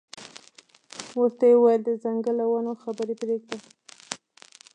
ورته یې وویل د ځنګل او ونو خبرې پرېږده.